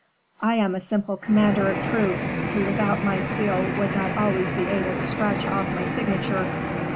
"I am a simple commander of troops, who without my seal would not always be able to scratch off my signature.